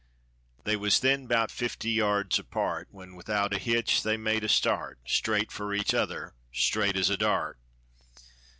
They was then 'bout fifty yards apart, When without a hitch they made a start Straight for each other, straight as a dart.